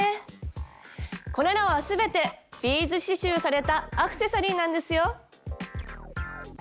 これらは全てビーズ刺しゅうされたアクセサリーなんですよ。